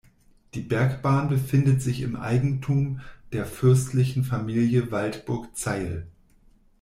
Die Bergbahn befindet sich im Eigentum der fürstlichen Familie Waldburg-Zeil.